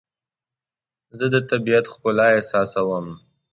زه د طبیعت ښکلا احساسوم.